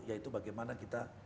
yaitu bagaimana kita